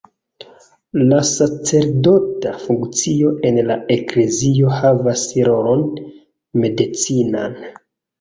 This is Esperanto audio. La sacerdota funkcio en la Eklezio havas rolon medicinan.